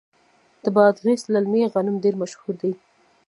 د بادغیس للمي غنم ډیر مشهور دي.